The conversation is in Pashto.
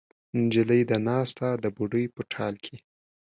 نجلۍ ده ناسته د بوډۍ په ټال کې